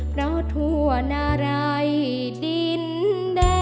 เพราะทั่วนารัยดินแดง